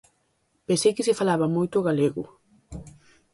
Pensei que se falaba moito o galego.